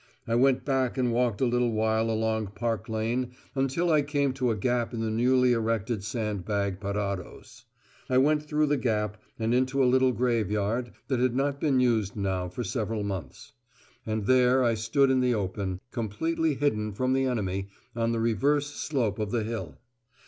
I went back and walked a little way along Park Lane until I came to a gap in the newly erected sand bag parados. I went through the gap and into a little graveyard that had not been used now for several months. And there I stood in the open, completely hidden from the enemy, on the reverse slope of the hill.